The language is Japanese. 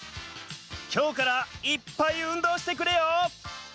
きょうからいっぱい運動してくれよ！